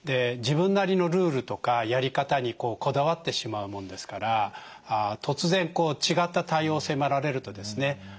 自分なりのルールとかやり方にこだわってしまうもんですから突然違った対応を迫られるとですね